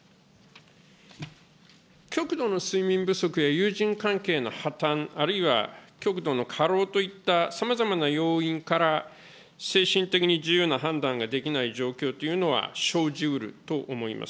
極度の睡眠不足や友人関係の破綻、あるいは極度の過労といったさまざまな要因から、精神的に自由な判断ができない状況というのは生じうると思います。